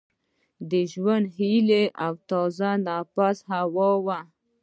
د ژوند هیلي او تازه نفس هوا وه